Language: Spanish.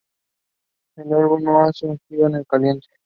El ahumado se hace en frío o en caliente.